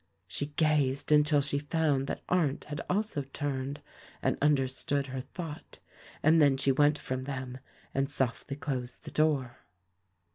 She gazed until she found that Arndt had also turned and understood her thought, and then she went from them and softly closed the door.